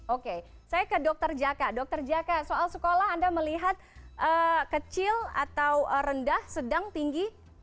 oke saya ke dr jaka dokter jaka soal sekolah anda melihat kecil atau rendah sedang tinggi